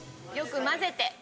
よく混ぜて。